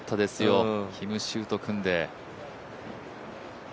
キムシウーと組んで。